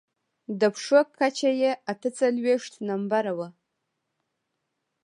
د پښو کچه يې اته څلوېښت نمبره وه.